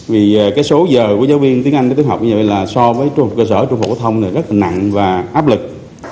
vì cái số giờ của giáo viên tiếng anh tiểu học như vậy là so với cơ sở trung phục hóa thông này rất là nặng và áp lực